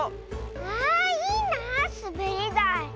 あいいなあすべりだい。